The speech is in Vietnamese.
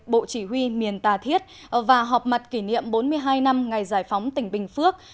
bộ chỉ huy miền tà thiết và họp mặt kỷ niệm bốn mươi hai năm ngày giải phóng tỉnh bình phước